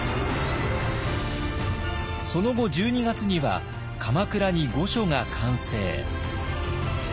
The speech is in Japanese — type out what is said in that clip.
その後１２月には鎌倉に御所が完成。